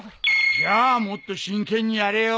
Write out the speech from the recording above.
じゃあもっと真剣にやれよ。